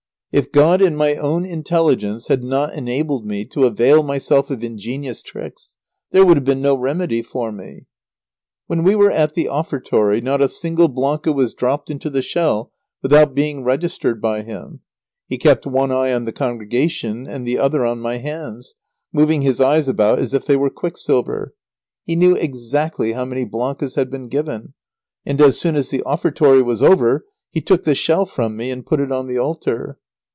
If God and my own intelligence had not enabled me to avail myself of ingenious tricks, there would have been no remedy for me. [Sidenote: Extraordinary stinginess of the clergyman.] When we were at the offertory not a single blanca was dropped into the shell without being registered by him. He kept one eye on the congregation and the other on my hands, moving his eyes about as if they were quicksilver. He knew exactly how many blancas had been given, and as soon as the offertory was over, he took the shell from me and put it on the altar.